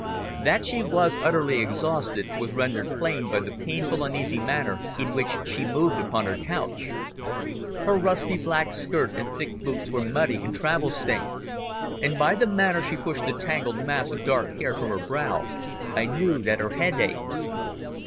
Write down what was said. That she was utterly exhausted was rendered plain by the painful, uneasy manner in which she moved upon her couch. Her rusty black skirt and thick boots were muddy and travel stained, and by the manner she pushed the tangled mass of dark hair from her brow I knew that her head ached.